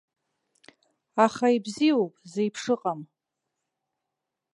Аха ибзиоуп, зеиԥшыҟам!